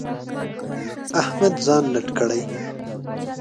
احمد ځان لټ کړی.